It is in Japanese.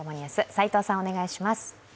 齋藤さん、お願いします。